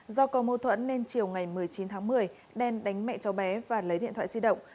do có mô thuẫn nên chiều ngày một mươi chín tháng một mươi đen đánh mẹ cháu bé và lấy điện thoại di động